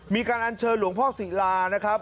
มีการอัญเชิญหลวงพ่อศิลานะครับ